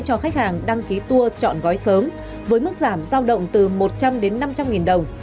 cho khách hàng đăng ký tour chọn gói sớm với mức giảm giao động từ một trăm linh đến năm trăm linh nghìn đồng